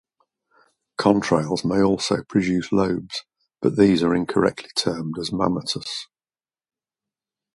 Contrails may also produce lobes but these are incorrectly termed as mammatus.